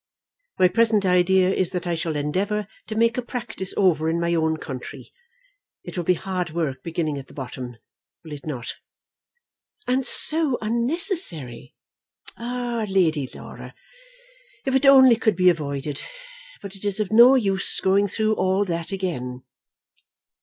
My present idea is that I shall endeavour to make a practice over in my own country. It will be hard work beginning at the bottom; will it not?" "And so unnecessary." "Ah, Lady Laura, if it only could be avoided! But it is of no use going through all that again."